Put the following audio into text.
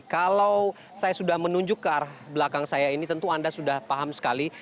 kalau saya sudah menunjukkan belakang saya ini tentu anda sudah paham sekali